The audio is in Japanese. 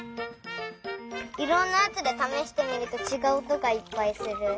いろんなやつでためしてみるとちがうおとがいっぱいする。